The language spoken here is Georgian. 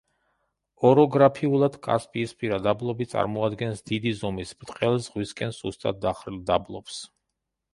ოროგრაფიულად კასპიისპირა დაბლობი წარმოადგენს დიდი ზომის, ბრტყელ, ზღვისკენ სუსტად დახრილ დაბლობს.